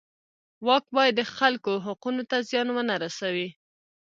واک باید د خلکو حقونو ته زیان ونه رسوي.